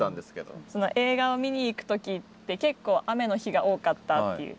映画を見に行く時って結構雨の日が多かったっていう。